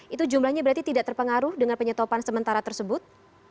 itu jumlahnya berarti tidak terpengaruh dengan penyetopan sementara tersebut